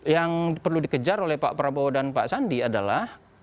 yang perlu dikejar oleh pak prabowo dan pak sandi adalah